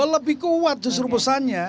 lebih kuat justru pesannya